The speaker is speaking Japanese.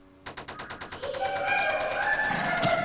警察官の小心さんだっ。